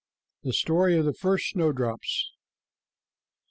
THE STORY OF THE FIRST SNOWDROPS.